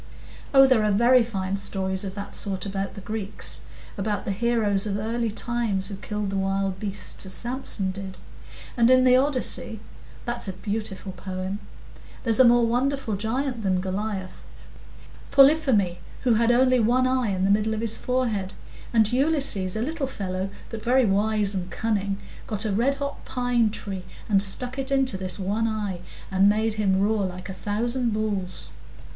"Oh, there are very fine stories of that sort about the Greeks,—about the heroes of early times who killed the wild beasts, as Samson did. And in the Odyssey—that's a beautiful poem—there's a more wonderful giant than Goliath,—Polypheme, who had only one eye in the middle of his forehead; and Ulysses, a little fellow, but very wise and cunning, got a red hot pine tree and stuck it into this one eye, and made him roar like a thousand bulls."